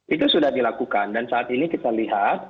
itu sudah dilakukan dan saat ini kita lihat